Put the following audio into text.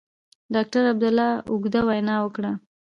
ډاکټر عبدالله اوږده وینا وکړه.